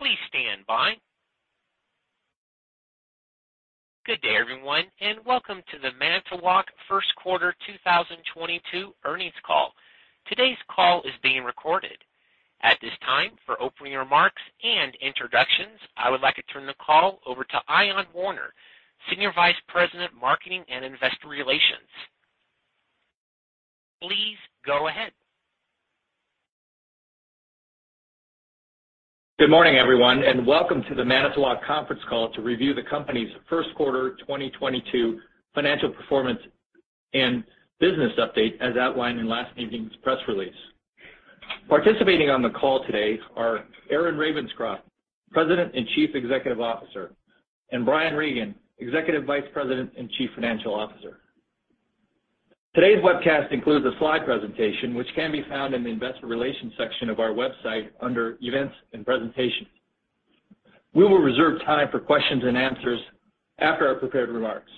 Please stand by. Good day, everyone, and welcome to the Manitowoc First Quarter 2022 earnings call. Today's call is being recorded. At this time, for opening remarks and introductions, I would like to turn the call over to Ion Warner, Senior Vice President, Marketing and Investor Relations. Please go ahead. Good morning, everyone, and welcome to the Manitowoc conference call to review the company's first quarter 2022 financial performance and business update as outlined in last evening's press release. Participating on the call today are Aaron Ravenscroft, President and Chief Executive Officer, and Brian Regan, Executive Vice President and Chief Financial Officer. Today's webcast includes a slide presentation which can be found in the investor relations section of our website under Events and Presentations. We will reserve time for questions and answers after our prepared remarks.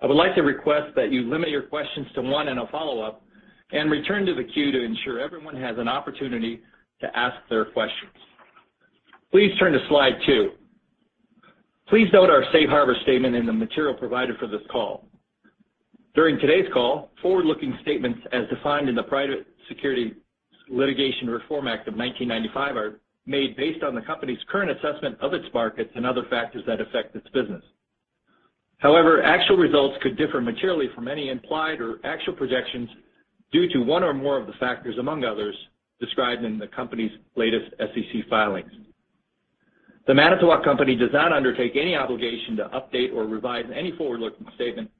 I would like to request that you limit your questions to one and a follow-up and return to the queue to ensure everyone has an opportunity to ask their questions. Please turn to slide two. Please note our safe harbor statement in the material provided for this call. During today's call, forward-looking statements as defined in the Private Securities Litigation Reform Act of 1995 are made based on the company's current assessment of its markets and other factors that affect its business. However, actual results could differ materially from any implied or actual projections due to one or more of the factors, among others, described in the company's latest SEC filings. The Manitowoc Company does not undertake any obligation to update or revise any forward-looking statement,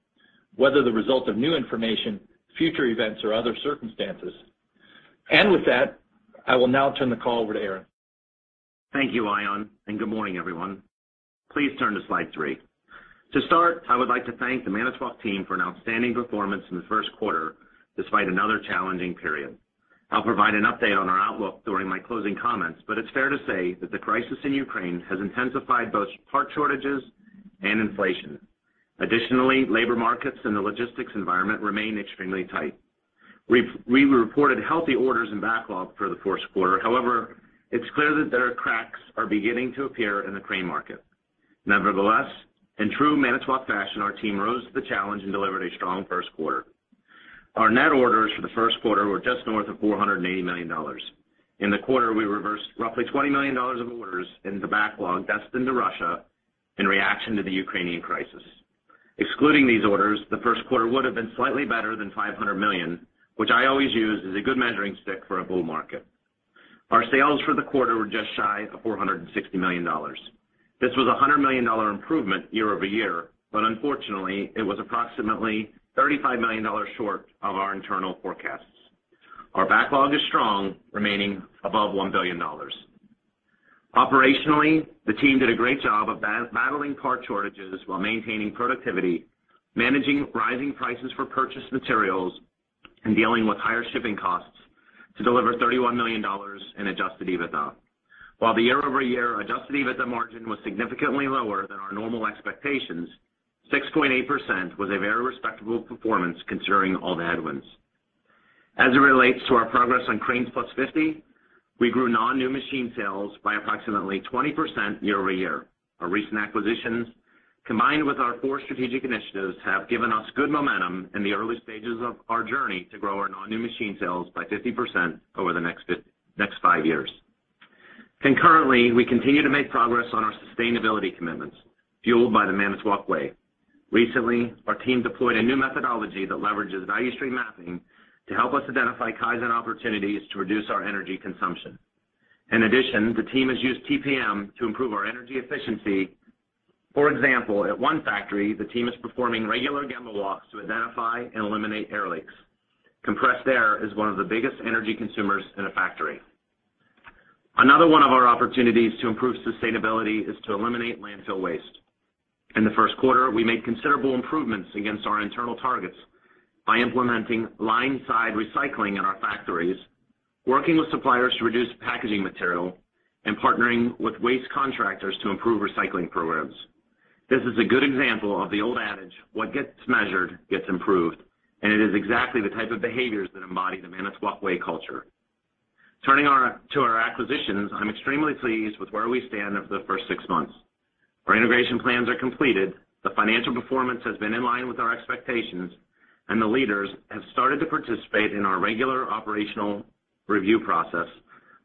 whether the result of new information, future events, or other circumstances. With that, I will now turn the call over to Aaron. Thank you, Ion, and good morning, everyone. Please turn to slide three. To start, I would like to thank the Manitowoc team for an outstanding performance in the first quarter despite another challenging period. I'll provide an update on our outlook during my closing comments, but it's fair to say that the crisis in Ukraine has intensified both part shortages and inflation. Additionally, labor markets and the logistics environment remain extremely tight. We reported healthy orders and backlog for the first quarter. However, it's clear that cracks are beginning to appear in the crane market. Nevertheless, in true Manitowoc fashion, our team rose to the challenge and delivered a strong first quarter. Our net orders for the first quarter were just north of $480 million. In the quarter, we reversed roughly $20 million of orders in the backlog destined to Russia in reaction to the Ukrainian crisis. Excluding these orders, the first quarter would have been slightly better than $500 million, which I always use as a good measuring stick for a bull market. Our sales for the quarter were just shy of $460 million. This was a $100 million improvement year-over-year, but unfortunately, it was approximately $35 million short of our internal forecasts. Our backlog is strong, remaining above $1 billion. Operationally, the team did a great job of battling part shortages while maintaining productivity, managing rising prices for purchased materials, and dealing with higher shipping costs to deliver $31 million in adjusted EBITDA. While the year-over-year adjusted EBITDA margin was significantly lower than our normal expectations, 6.8% was a very respectable performance considering all the headwinds. As it relates to our progress on Cranes+50, we grew non-new machine sales by approximately 20% year-over-year. Our recent acquisitions, combined with our four strategic initiatives, have given us good momentum in the early stages of our journey to grow our non-new machine sales by 50% over the next five years. Concurrently, we continue to make progress on our sustainability commitments, fueled by the Manitowoc Way. Recently, our team deployed a new methodology that leverages value stream mapping to help us identify Kaizen opportunities to reduce our energy consumption. In addition, the team has used TPM to improve our energy efficiency. For example, at one factory, the team is performing regular Gemba walks to identify and eliminate air leaks. Compressed air is one of the biggest energy consumers in a factory. Another one of our opportunities to improve sustainability is to eliminate landfill waste. In the first quarter, we made considerable improvements against our internal targets by implementing line side recycling in our factories, working with suppliers to reduce packaging material, and partnering with waste contractors to improve recycling programs. This is a good example of the old adage, what gets measured gets improved, and it is exactly the type of behaviors that embody the Manitowoc Way culture. Turning to our acquisitions, I'm extremely pleased with where we stand after the first six months. Our integration plans are completed, the financial performance has been in line with our expectations, and the leaders have started to participate in our regular operational review process.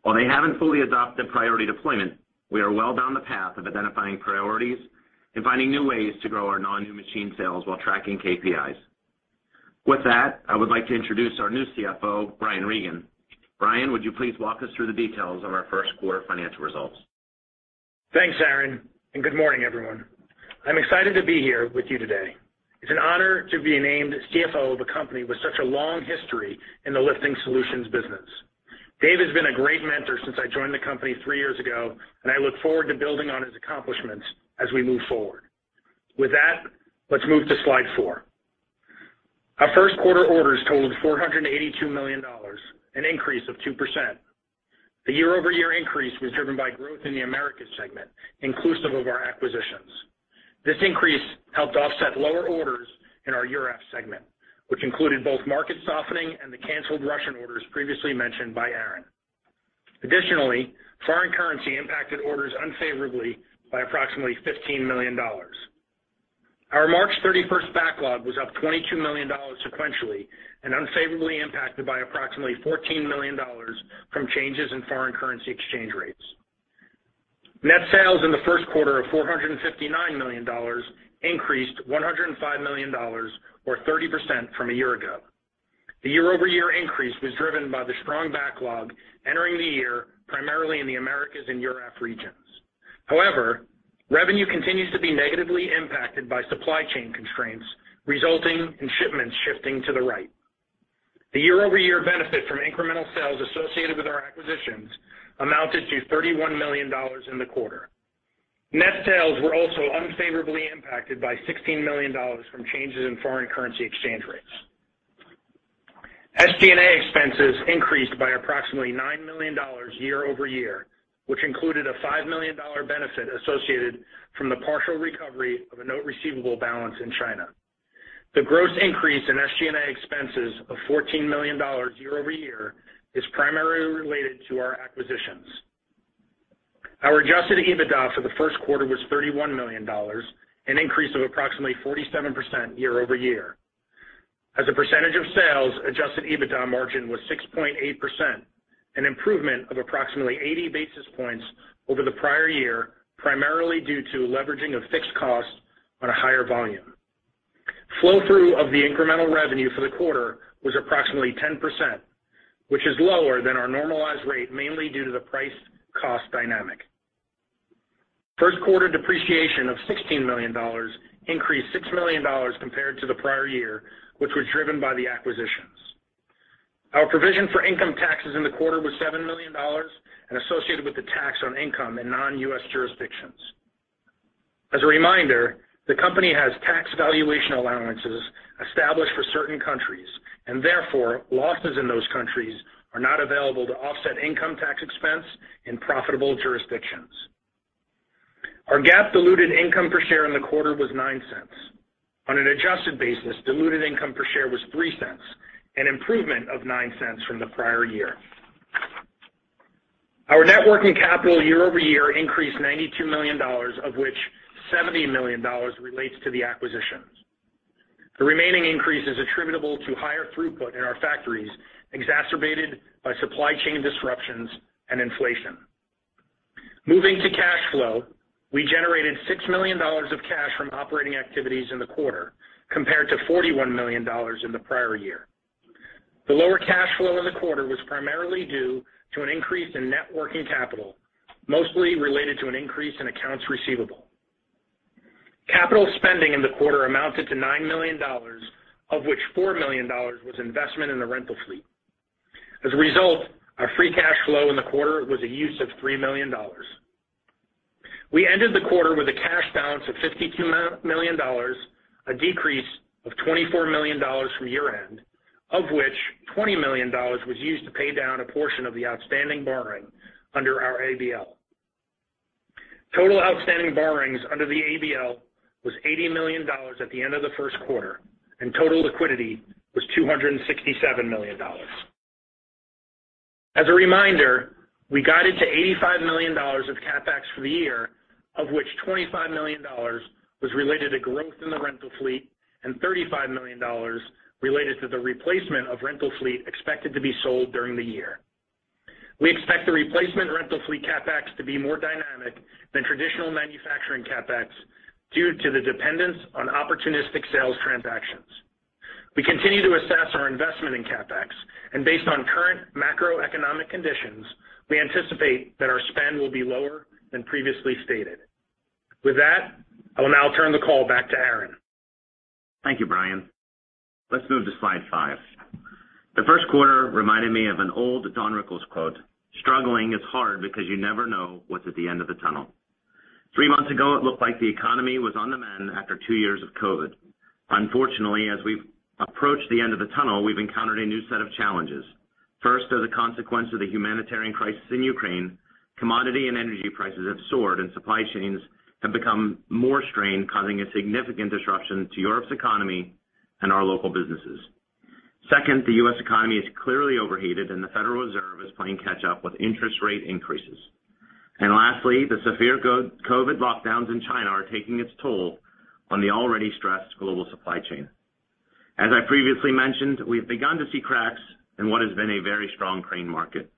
While they haven't fully adopted priority deployment, we are well down the path of identifying priorities and finding new ways to grow our non-new machine sales while tracking KPIs. With that, I would like to introduce our new CFO, Brian Regan. Brian, would you please walk us through the details of our first quarter financial results? Thanks, Aaron, and good morning, everyone. I'm excited to be here with you today. It's an honor to be named CFO of a company with such a long history in the lifting solutions business. Dave has been a great mentor since I joined the company three years ago, and I look forward to building on his accomplishments as we move forward. With that, let's move to slide four. Our first quarter orders totaled $482 million, an increase of 2%. The year-over-year increase was driven by growth in the Americas segment, inclusive of our acquisitions. This increase helped offset lower orders in our Europe segment, which included both market softening and the canceled Russian orders previously mentioned by Aaron. Additionally, foreign currency impacted orders unfavorably by approximately $15 million. Our March 31 backlog was up $22 million sequentially and unfavorably impacted by approximately $14 million from changes in foreign currency exchange rates. Net sales in the first quarter of $459 million increased $105 million or 30% from a year ago. The year-over-year increase was driven by the strong backlog entering the year, primarily in the Americas and Europe regions. However, revenue continues to be negatively impacted by supply chain constraints, resulting in shipments shifting to the right. The year-over-year benefit from incremental sales associated with our acquisitions amounted to $31 million in the quarter. Net sales were also unfavorably impacted by $16 million from changes in foreign currency exchange rates. SG&A expenses increased by approximately $9 million year-over-year, which included a $5 million benefit associated with the partial recovery of a note receivable balance in China. The gross increase in SG&A expenses of $14 million year-over-year is primarily related to our acquisitions. Our adjusted EBITDA for the first quarter was $31 million, an increase of approximately 47% year-over-year. As a percentage of sales, adjusted EBITDA margin was 6.8%, an improvement of approximately 80 basis points over the prior year, primarily due to leveraging of fixed costs on a higher volume. Flow-through of the incremental revenue for the quarter was approximately 10%, which is lower than our normalized rate, mainly due to the price cost dynamic. First quarter depreciation of $16 million increased $6 million compared to the prior year, which was driven by the acquisitions. Our provision for income taxes in the quarter was $7 million and associated with the tax on income in non-U.S. jurisdictions. As a reminder, the company has tax valuation allowances established for certain countries, and therefore, losses in those countries are not available to offset income tax expense in profitable jurisdictions. Our GAAP diluted income per share in the quarter was $0.09. On an adjusted basis, diluted income per share was $0.03, an improvement of $0.09 from the prior year. Our net working capital year-over-year increased $92 million, of which $70 million relates to the acquisitions. The remaining increase is attributable to higher throughput in our factories, exacerbated by supply chain disruptions and inflation. Moving to cash flow, we generated $6 million of cash from operating activities in the quarter, compared to $41 million in the prior year. The lower cash flow in the quarter was primarily due to an increase in net working capital, mostly related to an increase in accounts receivable. Capital spending in the quarter amounted to $9 million, of which $4 million was investment in the rental fleet. As a result, our free cash flow in the quarter was a use of $3 million. We ended the quarter with a cash balance of $52 million, a decrease of $24 million from year-end, of which $20 million was used to pay down a portion of the outstanding borrowing under our ABL. Total outstanding borrowings under the ABL was $80 million at the end of the first quarter, and total liquidity was $267 million. As a reminder, we guided to $85 million of CapEx for the year, of which $25 million was related to growth in the rental fleet and $35 million related to the replacement of rental fleet expected to be sold during the year. We expect the replacement rental fleet CapEx to be more dynamic than traditional manufacturing CapEx due to the dependence on opportunistic sales transactions. We continue to assess our investment in CapEx, and based on current macroeconomic conditions, we anticipate that our spend will be lower than previously stated. With that, I will now turn the call back to Aaron. Thank you, Brian. Let's move to slide five. The first quarter reminded me of an old Don Rickles quote, "Struggling is hard because you never know what's at the end of the tunnel." Three months ago, it looked like the economy was on the mend after two years of COVID. Unfortunately, as we've approached the end of the tunnel, we've encountered a new set of challenges. First are the consequences of the humanitarian crisis in Ukraine. Commodity and energy prices have soared and supply chains have become more strained, causing a significant disruption to Europe's economy and our local businesses. Second, the U.S. economy is clearly overheated, and the Federal Reserve is playing catch up with interest rate increases. Lastly, the severe COVID lockdowns in China are taking its toll on the already stressed global supply chain. As I previously mentioned, we have begun to see cracks in what has been a very strong crane market.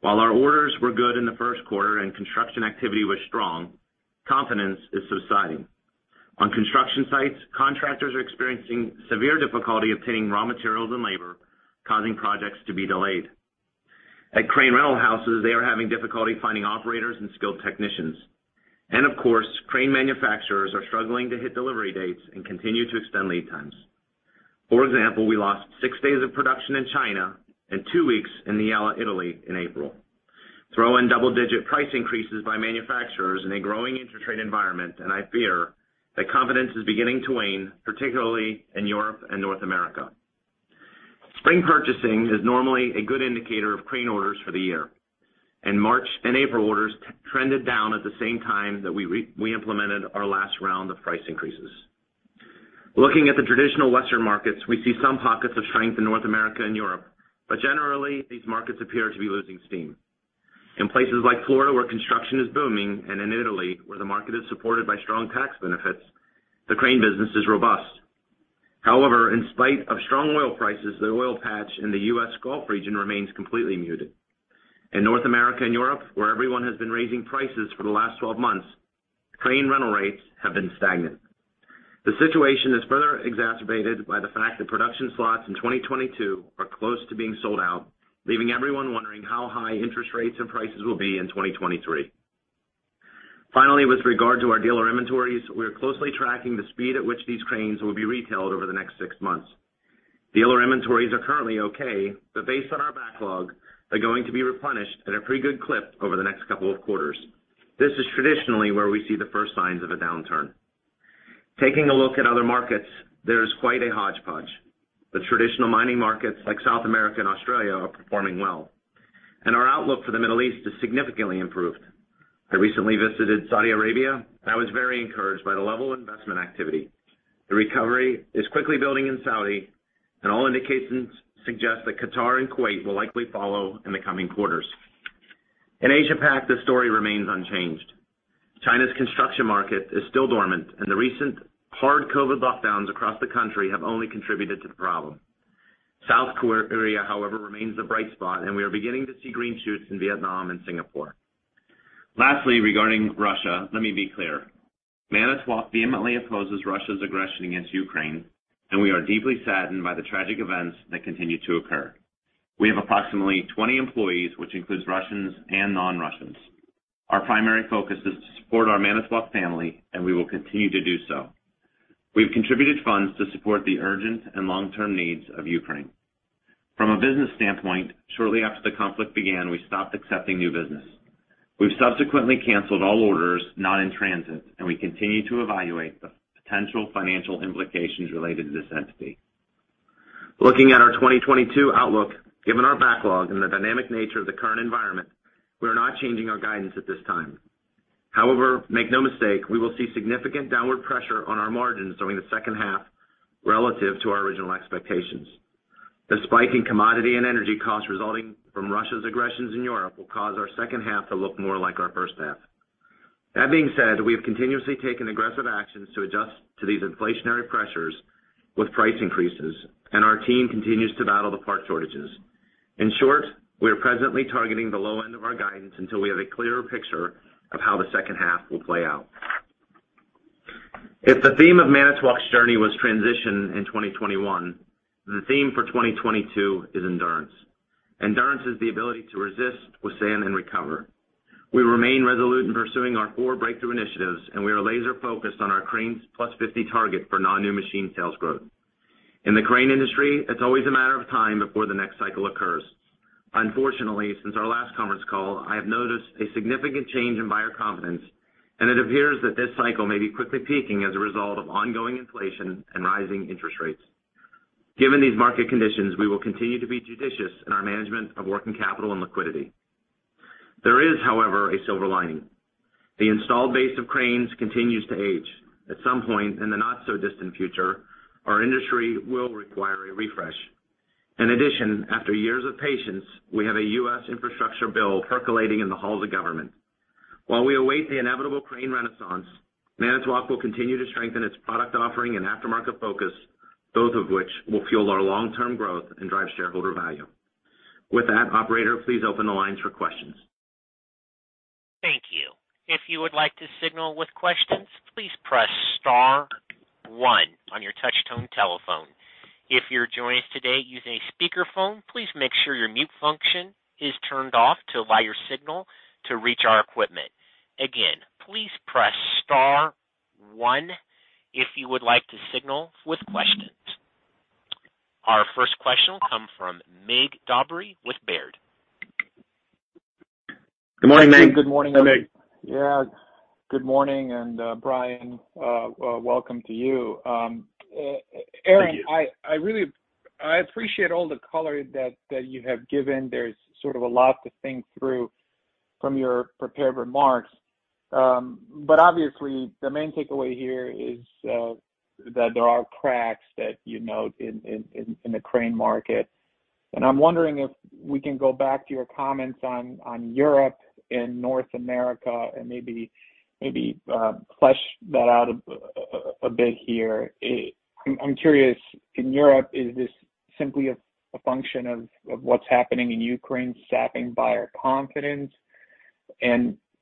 While our orders were good in the first quarter and construction activity was strong, confidence is subsiding. On construction sites, contractors are experiencing severe difficulty obtaining raw materials and labor, causing projects to be delayed. At crane rental houses, they are having difficulty finding operators and skilled technicians. Of course, crane manufacturers are struggling to hit delivery dates and continue to extend lead times. For example, we lost six days of production in China and two weeks in Niella Tanaro, Italy in April. Throw in double-digit price increases by manufacturers in a growing interest rate environment, and I fear that confidence is beginning to wane, particularly in Europe and North America. Spring purchasing is normally a good indicator of crane orders for the year. In March and April, orders trended down at the same time that we implemented our last round of price increases. Looking at the traditional Western markets, we see some pockets of strength in North America and Europe, but generally, these markets appear to be losing steam. In places like Florida, where construction is booming, and in Italy, where the market is supported by strong tax benefits, the crane business is robust. However, in spite of strong oil prices, the oil patch in the US Gulf region remains completely muted. In North America and Europe, where everyone has been raising prices for the last 12 months, crane rental rates have been stagnant. The situation is further exacerbated by the fact that production slots in 2022 are close to being sold out, leaving everyone wondering how high interest rates and prices will be in 2023. Finally, with regard to our dealer inventories, we are closely tracking the speed at which these cranes will be retailed over the next six months. Dealer inventories are currently okay, but based on our backlog, they're going to be replenished at a pretty good clip over the next couple of quarters. This is traditionally where we see the first signs of a downturn. Taking a look at other markets, there is quite a hodgepodge. The traditional mining markets like South America and Australia are performing well. Our outlook for the Middle East is significantly improved. I recently visited Saudi Arabia, and I was very encouraged by the level of investment activity. The recovery is quickly building in Saudi, and all indications suggest that Qatar and Kuwait will likely follow in the coming quarters. In Asia-Pac, the story remains unchanged. China's construction market is still dormant, and the recent hard COVID lockdowns across the country have only contributed to the problem. South Korea, however, remains the bright spot, and we are beginning to see green shoots in Vietnam and Singapore. Lastly, regarding Russia, let me be clear. Manitowoc vehemently opposes Russia's aggression against Ukraine, and we are deeply saddened by the tragic events that continue to occur. We have approximately 20 employees, which includes Russians and non-Russians. Our primary focus is to support our Manitowoc family, and we will continue to do so. We've contributed funds to support the urgent and long-term needs of Ukraine. From a business standpoint, shortly after the conflict began, we stopped accepting new business. We've subsequently canceled all orders not in transit, and we continue to evaluate the potential financial implications related to this entity. Looking at our 2022 outlook, given our backlog and the dynamic nature of the current environment, we are not changing our guidance at this time. However, make no mistake, we will see significant downward pressure on our margins during the second half relative to our original expectations. The spike in commodity and energy costs resulting from Russia's aggressions in Europe will cause our second half to look more like our first half. That being said, we have continuously taken aggressive actions to adjust to these inflationary pressures with price increases, and our team continues to battle the part shortages. In short, we are presently targeting the low end of our guidance until we have a clearer picture of how the second half will play out. If the theme of Manitowoc's journey was transition in 2021, then the theme for 2022 is endurance. Endurance is the ability to resist, withstand, and recover. We remain resolute in pursuing our four breakthrough initiatives, and we are laser-focused on our Cranes+50 target for non-new machine sales growth. In the crane industry, it's always a matter of time before the next cycle occurs. Unfortunately, since our last conference call, I have noticed a significant change in buyer confidence, and it appears that this cycle may be quickly peaking as a result of ongoing inflation and rising interest rates. Given these market conditions, we will continue to be judicious in our management of working capital and liquidity. There is, however, a silver lining. The installed base of cranes continues to age. At some point in the not so distant future, our industry will require a refresh. In addition, after years of patience, we have a U.S. infrastructure bill percolating in the halls of government. While we await the inevitable crane renaissance, Manitowoc will continue to strengthen its product offering and aftermarket focus, both of which will fuel our long-term growth and drive shareholder value. With that, operator, please open the lines for questions. Thank you. If you would like to signal with questions, please press star one on your touchtone telephone. If you're joining us today using a speakerphone, please make sure your mute function is turned off to allow your signal to reach our equipment. Again, please press star one if you would like to signal with questions. Our first question will come from Mircea Dobre with Baird. Good morning, Mircea Dobre. Good morning. Hi, Mig. Yeah. Good morning, and Brian, welcome to you. Aaron Thank you. I really appreciate all the color you have given. There's sort of a lot to think through from your prepared remarks. But obviously, the main takeaway here is that there are cracks that you note in the crane market. I'm wondering if we can go back to your comments on Europe and North America and maybe flesh that out a bit here. I'm curious, in Europe, is this simply a function of what's happening in Ukraine sapping buyer confidence?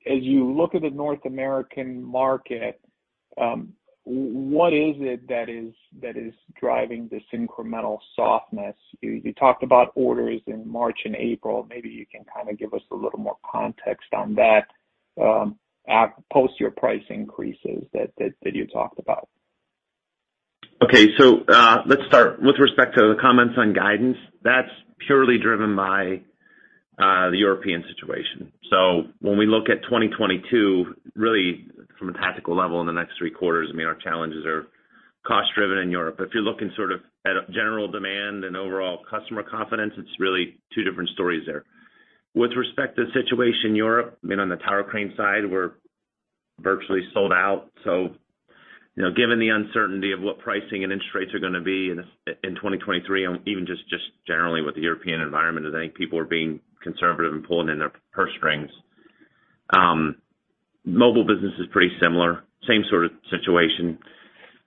As you look at the North American market, what is it that is driving this incremental softness? You talked about orders in March and April. Maybe you can kind of give us a little more context on that post your price increases that you talked about. Okay. Let's start with respect to the comments on guidance. That's purely driven by the European situation. When we look at 2022, really from a tactical level in the next three quarters, I mean, our challenges are cost-driven in Europe. If you're looking sort of at a general demand and overall customer confidence, it's really two different stories there. With respect to the situation in Europe, I mean, on the tower crane side, we're virtually sold out. You know, given the uncertainty of what pricing and interest rates are gonna be in 2023, and even just generally with the European environment, I think people are being conservative and pulling in their purse strings. Mobile business is pretty similar, same sort of situation.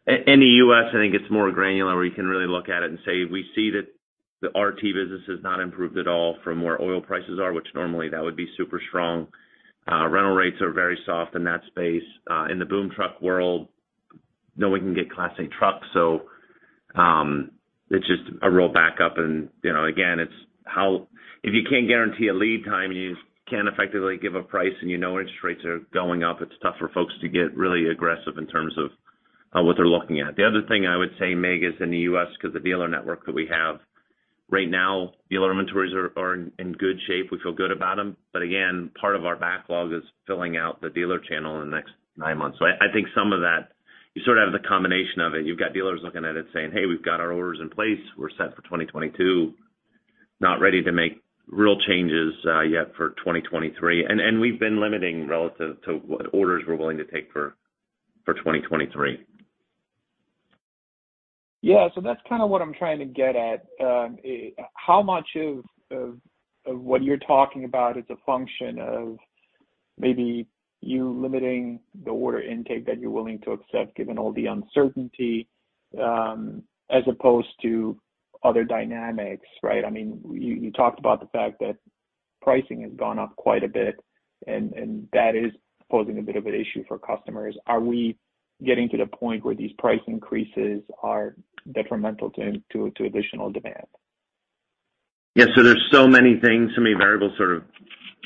In the US, I think it's more granular, where you can really look at it and say, we see that the RT business has not improved at all from where oil prices are, which normally that would be super strong. Rental rates are very soft in that space. In the boom truck world, no one can get Class 8 trucks, so it's just a real backup. You know, again, it's how if you can't guarantee a lead time, and you can't effectively give a price, and you know interest rates are going up, it's tough for folks to get really aggressive in terms of what they're looking at. The other thing I would say, Mircea Dobre, is in the US, 'cause the dealer network that we have, right now, dealer inventories are in good shape. We feel good about them. Again, part of our backlog is filling out the dealer channel in the next nine months. I think some of that, you sort of have the combination of it. You've got dealers looking at it saying, "Hey, we've got our orders in place. We're set for 2022, not ready to make real changes yet for 2023." We've been limiting relative to what orders we're willing to take for 2023. Yeah. That's kinda what I'm trying to get at. How much of what you're talking about is a function of maybe you limiting the order intake that you're willing to accept given all the uncertainty, as opposed to other dynamics, right? I mean, you talked about the fact that pricing has gone up quite a bit, and that is posing a bit of an issue for customers. Are we getting to the point where these price increases are detrimental to additional demand? Yeah. There's so many things, so many variables sort of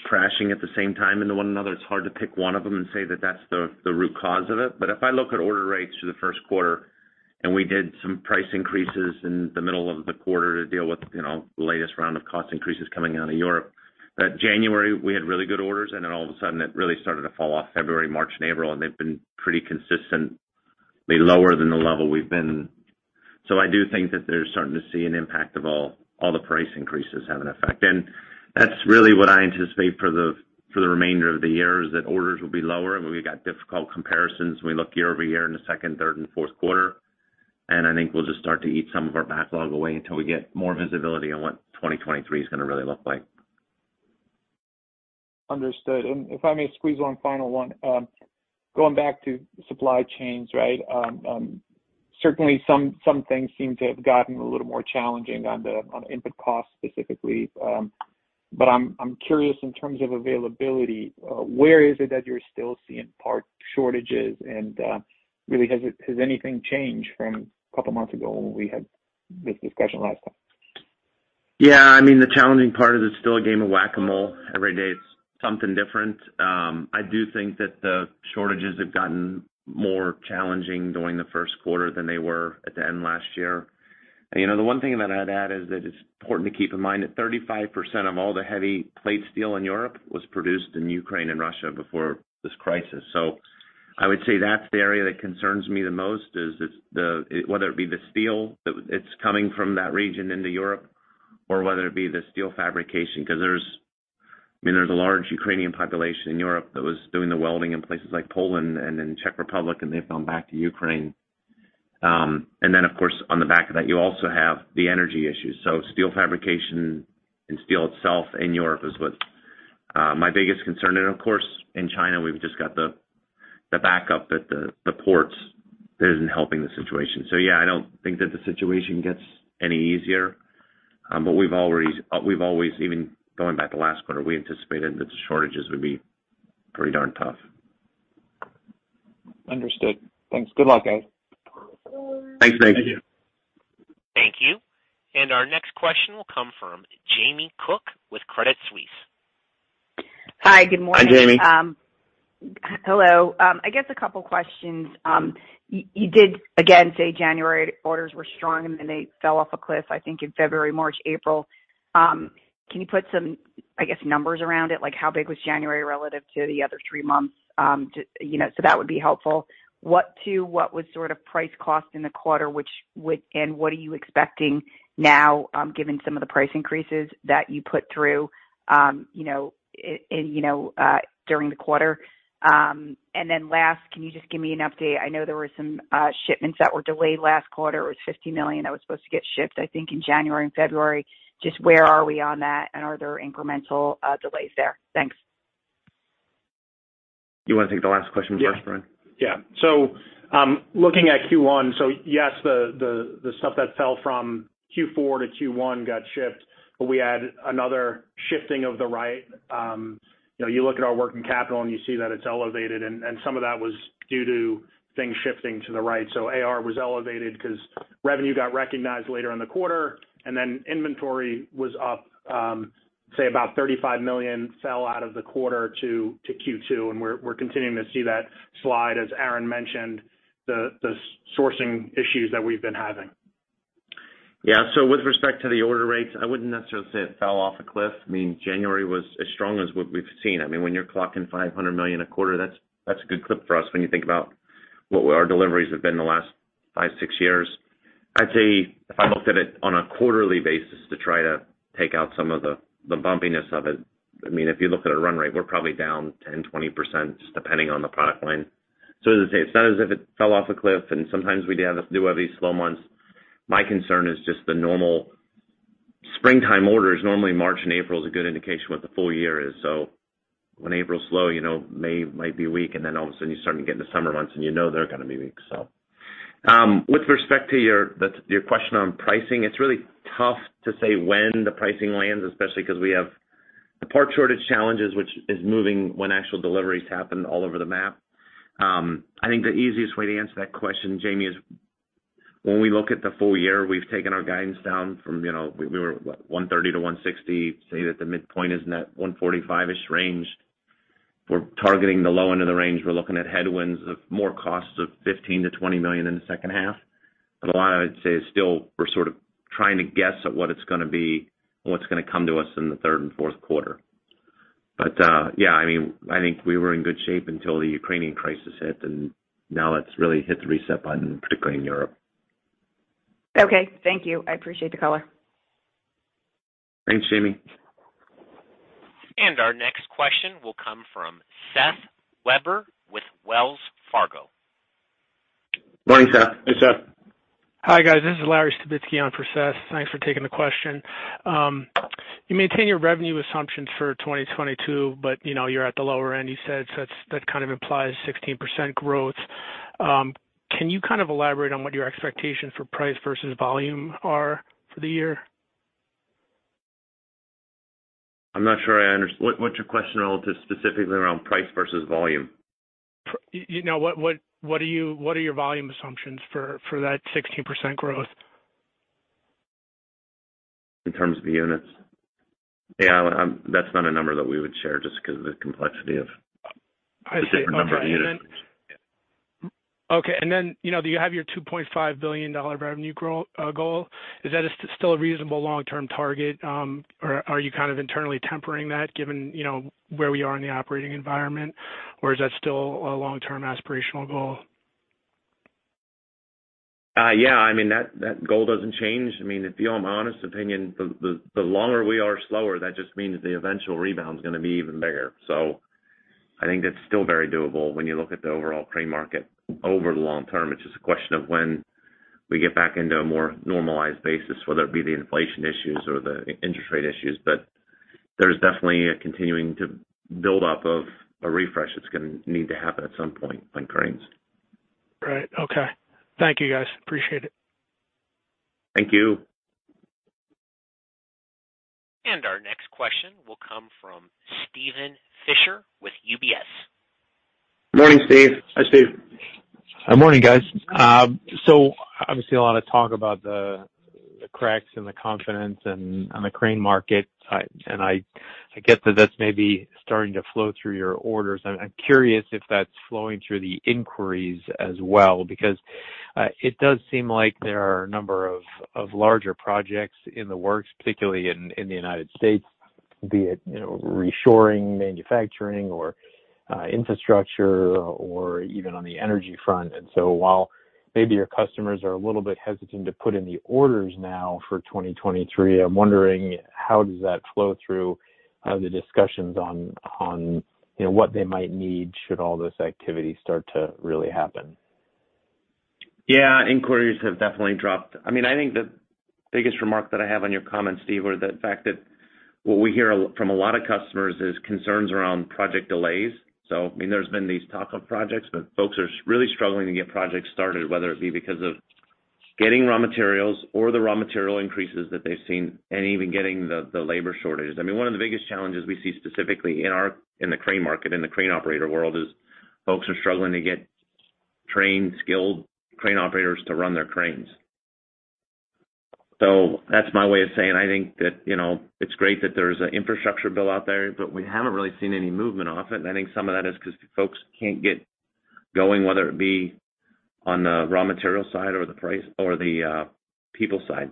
crashing at the same time into one another. It's hard to pick one of them and say that that's the root cause of it. If I look at order rates for the first quarter, and we did some price increases in the middle of the quarter to deal with, you know, the latest round of cost increases coming out of Europe. That January, we had really good orders, and then all of a sudden, it really started to fall off February, March, and April, and they've been pretty consistently lower than the level we've been. I do think that they're starting to see an impact of all the price increases have an effect. That's really what I anticipate for the remainder of the year, is that orders will be lower. We've got difficult comparisons when we look year over year in the second, third, and fourth quarter. I think we'll just start to eat some of our backlog away until we get more visibility on what 2023 is gonna really look like. Understood. If I may squeeze one final one. Going back to supply chains, right? Certainly some things seem to have gotten a little more challenging on input costs specifically. I'm curious in terms of availability, where is it that you're still seeing part shortages? Really, has anything changed from a couple months ago when we had this discussion last time? Yeah. I mean, the challenging part is it's still a game of Whac-A-Mole. Every day it's something different. I do think that the shortages have gotten more challenging during the first quarter than they were at the end last year. You know, the one thing that I'd add is that it's important to keep in mind that 35% of all the heavy plate steel in Europe was produced in Ukraine and Russia before this crisis. I would say that's the area that concerns me the most, is whether it be the steel that it's coming from that region into Europe or whether it be the steel fabrication 'cause there's I mean, there's a large Ukrainian population in Europe that was doing the welding in places like Poland and in Czech Republic, and they've gone back to Ukraine. Of course, on the back of that, you also have the energy issues. Steel fabrication and steel itself in Europe is what my biggest concern. Of course, in China, we've just got the backup at the ports that isn't helping the situation. Yeah, I don't think that the situation gets any easier. We've always even going back to last quarter, we anticipated that the shortages would be pretty darn tough. Understood. Thanks. Good luck, guys. Thanks. Thank you. Thank you. Our next question will come from Jamie Cook with Credit Suisse. Hi. Good morning. Hi, Jamie. Hello. I guess a couple questions. You did say January orders were strong, and then they fell off a cliff, I think, in February, March, April. Can you put some, I guess, numbers around it? Like, how big was January relative to the other three months? You know, so that would be helpful. What was sort of price cost in the quarter, and what are you expecting now, given some of the price increases that you put through, you know, in you know during the quarter? Then last, can you just give me an update? I know there were some shipments that were delayed last quarter. It was $50 million that was supposed to get shipped, I think, in January and February. Just where are we on that, and are there incremental delays there? Thanks. You wanna take the last question first, Brian? Yeah. Looking at Q1, yes, the stuff that fell from Q4 to Q1 got shipped, but we had another shifting to the right. You know, you look at our working capital, and you see that it's elevated, and some of that was due to things shifting to the right. AR was elevated 'cause revenue got recognized later in the quarter, and then inventory was up, say, about $35 million fell out of the quarter to Q2. We're continuing to see that slide, as Aaron mentioned, the sourcing issues that we've been having. Yeah. With respect to the order rates, I wouldn't necessarily say it fell off a cliff. I mean, January was as strong as what we've seen. I mean, when you're clocking $500 million a quarter, that's a good clip for us when you think about what our deliveries have been the last five, six years. I'd say if I looked at it on a quarterly basis to try to take out some of the bumpiness of it, I mean, if you look at a run rate, we're probably down 10%-20%, just depending on the product line. As I say, it's not as if it fell off a cliff, and sometimes we'd have to do all these slow months. My concern is just the normal springtime orders. Normally, March and April is a good indication what the full year is. When April's slow, you know May might be weak, and then all of a sudden you're starting to get in the summer months, and you know they're gonna be weak. With respect to your question on pricing, it's really tough to say when the pricing lands, especially 'cause we have the part shortage challenges, which is moving when actual deliveries happen all over the map. I think the easiest way to answer that question, Jamie, is when we look at the full year, we've taken our guidance down from, you know, we were $130-$160, say that the midpoint is in that 145-ish range. We're targeting the low end of the range. We're looking at headwinds of more costs of $15 million-$20 million in the second half. A lot, I would say, is still we're sort of trying to guess at what it's gonna be and what's gonna come to us in the third and fourth quarter. Yeah, I mean, I think we were in good shape until the Ukrainian crisis hit, and now it's really hit the reset button, particularly in Europe. Okay. Thank you. I appreciate the color. Thanks, Jamie. Our next question will come from Seth Weber with Wells Fargo. Morning, Seth. Hey, Seth. Hi, guys. This is Lawrence De Maria on for Seth Weber. Thanks for taking the question. You maintain your revenue assumptions for 2022, but you know you're at the lower end, you said, so that kind of implies 16% growth. Can you kind of elaborate on what your expectations for price versus volume are for the year? What, what's your question relative specifically around price versus volume? You know, what are your volume assumptions for that 16% growth? In terms of the units? Yeah. I, that's not a number that we would share just 'cause of the complexity of I see. Okay. The different number of units. You know, do you have your $2.5 billion revenue growth goal? Is that still a reasonable long-term target? Are you kind of internally tempering that given, you know, where we are in the operating environment, or is that still a long-term aspirational goal? Yeah, I mean, that goal doesn't change. I mean, if you want my honest opinion, the longer we are slower, that just means the eventual rebound's gonna be even bigger. I think that's still very doable when you look at the overall crane market over the long term. It's just a question of when we get back into a more normalized basis, whether it be the inflation issues or the interest rate issues. There's definitely a continuing to build up of a refresh that's gonna need to happen at some point on cranes. Right. Okay. Thank you, guys. Appreciate it. Thank you. Our next question will come from Steven Fisher with UBS. Morning, Steve. Hi, Steve. Good morning, guys. So obviously a lot of talk about the cracks in the confidence and on the crane market. I get that that's maybe starting to flow through your orders. I'm curious if that's flowing through the inquiries as well because it does seem like there are a number of larger projects in the works, particularly in the United States, be it you know, reshoring, manufacturing or infrastructure or even on the energy front. While maybe your customers are a little bit hesitant to put in the orders now for 2023, I'm wondering how does that flow through the discussions on you know, what they might need should all this activity start to really happen? Yeah. Inquiries have definitely dropped. I mean, I think the biggest remark that I have on your comments, Steve, were the fact that what we hear from a lot of customers is concerns around project delays. I mean, there's been these talk of projects, but folks are really struggling to get projects started, whether it be because of getting raw materials or the raw material increases that they've seen and even getting the labor shortage. I mean, one of the biggest challenges we see specifically in the crane market, in the crane operator world, is folks are struggling to get trained, skilled crane operators to run their cranes. That's my way of saying I think that, you know, it's great that there's an infrastructure bill out there, but we haven't really seen any movement off it. I think some of that is 'cause folks can't get going, whether it be on the raw material side or the price or the people side.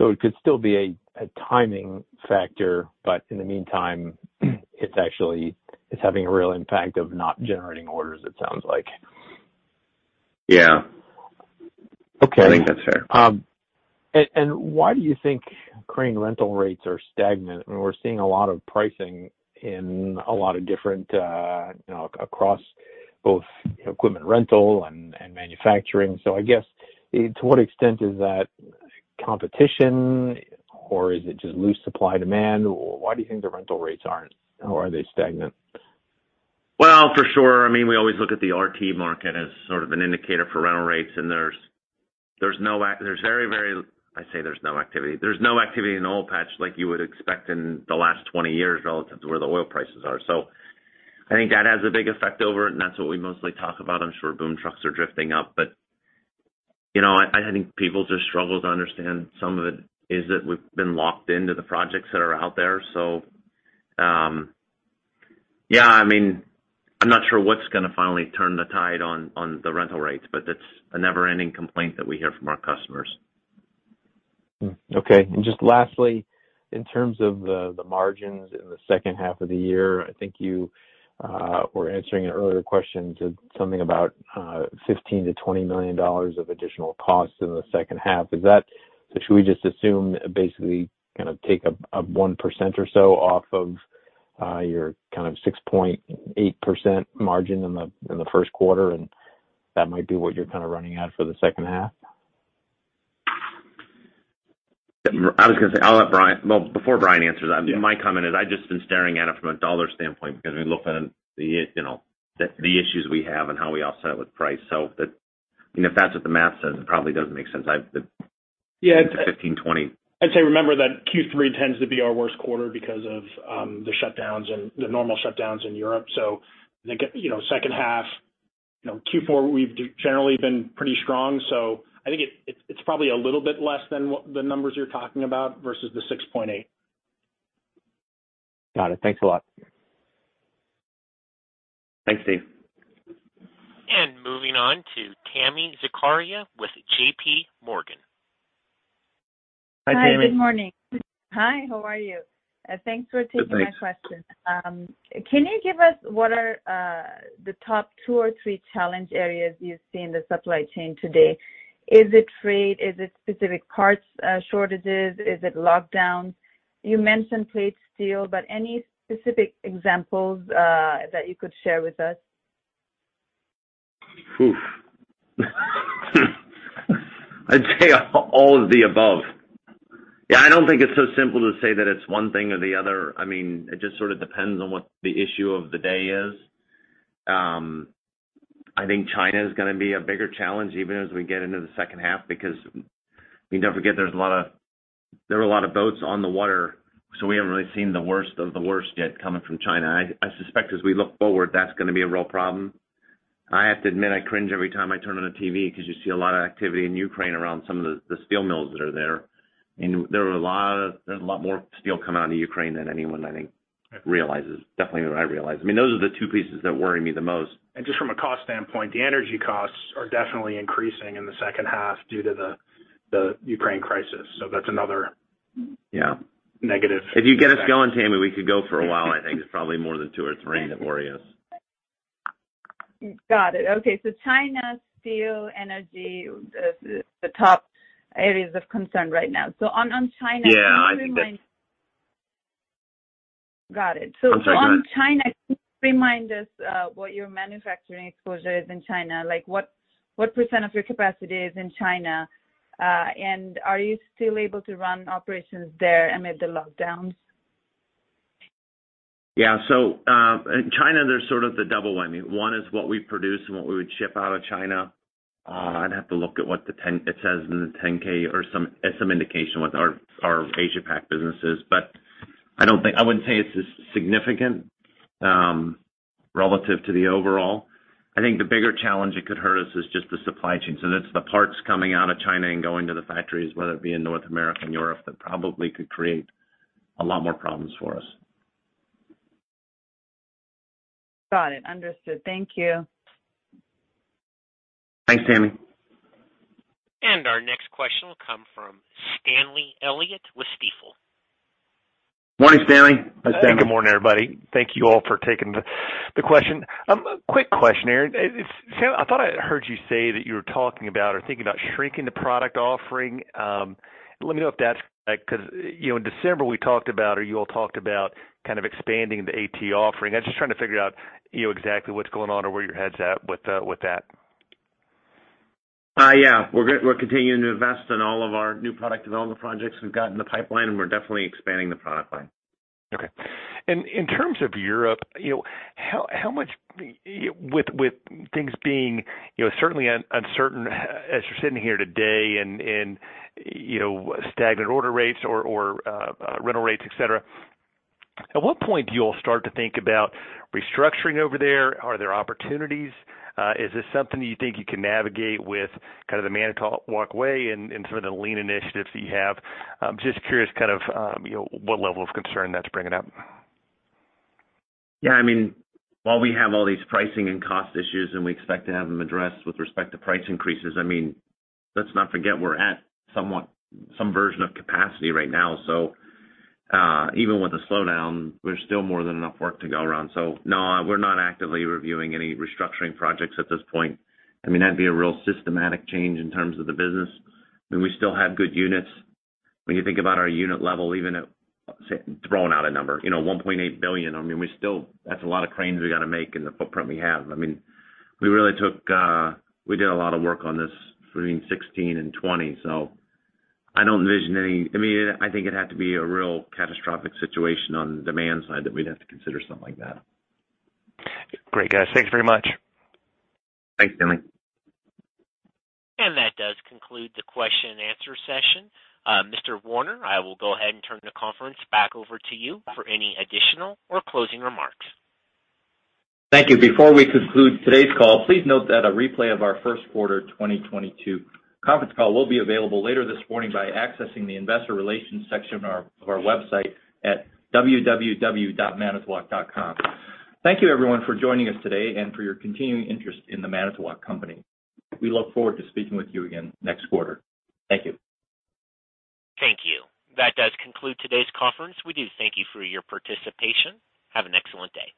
it could still be a timing factor, but in the meantime, it's actually, it's having a real impact of not generating orders, it sounds like. Yeah. Okay. I think that's fair. Why do you think crane rental rates are stagnant when we're seeing a lot of pricing in a lot of different, you know, across both equipment rental and manufacturing? I guess to what extent is that competition, or is it just loose supply-demand, or why do you think the rental rates aren't, or are they stagnant? Well, for sure. I mean, we always look at the RT market as sort of an indicator for rental rates. There's no activity in oil patch like you would expect in the last 20 years relative to where the oil prices are. I think that has a big effect over it, and that's what we mostly talk about. I'm sure boom trucks are drifting up. You know, I think people just struggle to understand some of it is that we've been locked into the projects that are out there. Yeah, I mean, I'm not sure what's gonna finally turn the tide on the rental rates, but it's a never-ending complaint that we hear from our customers. Okay. Just lastly, in terms of the margins in the second half of the year, I think you were answering an earlier question to something about $15 million-$20 million of additional costs in the second half. Is that. Should we just assume basically gonna take a 1% or so off of your kind of 6.8% margin in the first quarter, and that might be what you're kinda running at for the second half? I was gonna say, I'll let Brian. Well, before Brian answers that. Yeah. My comment is I've just been staring at it from a dollar standpoint because we look at, you know, the issues we have and how we offset with price. That, you know, if that's what the math says, it probably does make sense. Yeah. 15, 20. I'd say remember that Q3 tends to be our worst quarter because of the shutdowns and the normal shutdowns in Europe. I think, you know, second half, you know, Q4, we've generally been pretty strong. I think it's probably a little bit less than what the numbers you're talking about versus the 6.8%. Got it. Thanks a lot. Thanks, Steve. Moving on to Tami Zakaria with J.PMorgan. Hi, Tami. Hi. Good morning. Hi, how are you? Thanks for taking my question. Can you give us what are the top two or three challenge areas you see in the supply chain today? Is it freight? Is it specific parts shortages? Is it lockdowns? You mentioned plate steel, but any specific examples that you could share with us? I'd say all of the above. Yeah, I don't think it's so simple to say that it's one thing or the other. I mean, it just sort of depends on what the issue of the day is. I think China is gonna be a bigger challenge even as we get into the second half because we don't forget there are a lot of boats on the water, so we haven't really seen the worst of the worst yet coming from China. I suspect as we look forward, that's gonna be a real problem. I have to admit, I cringe every time I turn on a TV 'cause you see a lot of activity in Ukraine around some of the steel mills that are there. There are a lot of. There's a lot more steel coming out of Ukraine than anyone, I think, realizes. Definitely than I realize. I mean, those are the two pieces that worry me the most. Just from a cost standpoint, the energy costs are definitely increasing in the second half due to the Ukraine crisis. That's another- Yeah. Negative. If you get us going, Tami, we could go for a while. I think there's probably more than two or three that worry us. Got it. Okay. China, steel, energy, the top areas of concern right now. On China- Yeah, I think that. Got it. I'm sorry, go ahead. On China, can you remind us what your manufacturing exposure is in China? Like, what % of your capacity is in China? Are you still able to run operations there amid the lockdowns? Yeah. In China, there's sort of the double whammy. One is what we produce and what we would ship out of China. I'd have to look at what it says in the 10-K or some indication with our Asia Pac businesses. I don't think I wouldn't say it's as significant relative to the overall. I think the bigger challenge it could hurt us is just the supply chains, and it's the parts coming out of China and going to the factories, whether it be in North America and Europe, that probably could create a lot more problems for us. Got it. Understood. Thank you. Thanks, Tami. Our next question will come from Stanley Elliott with Stifel. Morning, Stanley. Hi, Stanley. Good morning, everybody. Thank you all for taking the question. Quick question, Aaron. Sam, I thought I heard you say that you were talking about or thinking about shrinking the product offering. Let me know if that's correct, 'cause, you know, in December, we talked about or you all talked about kind of expanding the AT offering. I was just trying to figure out, you know, exactly what's going on or where your head's at with that. Yeah, we're continuing to invest in all of our new product development projects we've got in the pipeline, and we're definitely expanding the product line. Okay. In terms of Europe, you know, how much, with things being, you know, certainly uncertain as you're sitting here today and, you know, stagnant order rates or rental rates, et cetera, at what point do you all start to think about restructuring over there? Are there opportunities? Is this something you think you can navigate with kind of the Manitowoc Way and some of the lean initiatives that you have? I'm just curious kind of, you know, what level of concern that's bringing up. Yeah, I mean, while we have all these pricing and cost issues, and we expect to have them addressed with respect to price increases, I mean, let's not forget we're at somewhat some version of capacity right now. Even with the slowdown, there's still more than enough work to go around. No, we're not actively reviewing any restructuring projects at this point. I mean, that'd be a real systematic change in terms of the business. I mean, we still have good units. When you think about our unit level, even at, say, throwing out a number, you know, $1.8 billion, I mean, we still, that's a lot of cranes we gotta make in the footprint we have. I mean, we did a lot of work on this between 2016 and 2020, so I don't envision any. I mean, I think it'd have to be a real catastrophic situation on the demand side that we'd have to consider something like that. Great, guys. Thank you very much. Thanks, Stanley. That does conclude the question and answer session. Mr. Warner, I will go ahead and turn the conference back over to you for any additional or closing remarks. Thank you. Before we conclude today's call, please note that a replay of our first quarter 2022 conference call will be available later this morning by accessing the investor relations section of our website at www.manitowoc.com. Thank you, everyone, for joining us today and for your continuing interest in The Manitowoc Company. We look forward to speaking with you again next quarter. Thank you. Thank you. That does conclude today's conference. We do thank you for your participation. Have an excellent day.